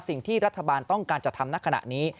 สิ่งที่รัฐบาลต้องการจะทำณขณะนี้